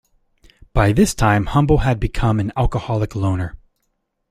By this time Humble had become an alcoholic loner.